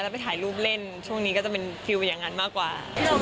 แล้วไปถ่ายรูปเล่นช่วงนี้ก็จะเป็นฟิลอย่างนั้นมากกว่า